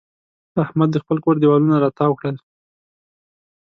احمد د خپل کور دېوالونه را تاوو کړل.